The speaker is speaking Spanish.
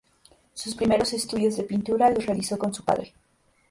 Sus primeros estudios de pintura los realizó con su padre.